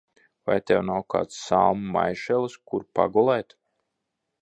Vai tev nav kāds salmu maišelis, kur pagulēt?